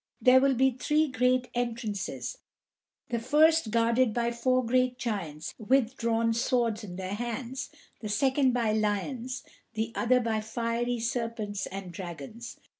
There will be three great entrances, the first guarded by four great giants with drawn swords in their hands, the second by lions, the other by fiery serpents and dragons.